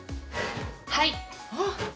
はい。